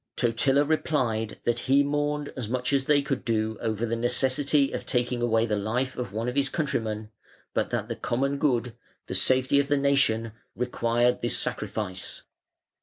Totila replied that he mourned as much as they could do over the necessity of taking away the life of one of his countrymen, but that the common good, the safety of the nation, required this sacrifice.